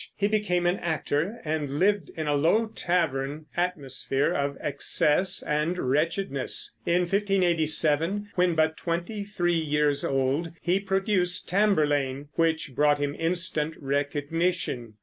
He became an actor and lived in a low tavern atmosphere of excess and wretchedness. In 1587, when but twenty three years old, he produced Tamburlaine, which brought him instant recognition.